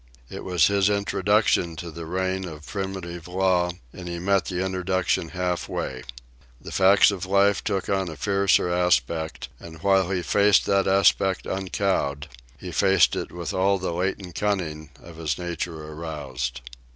It was his introduction to the reign of primitive law, and he met the introduction halfway. The facts of life took on a fiercer aspect; and while he faced that aspect uncowed, he faced it with all the latent cunning of his nature aroused.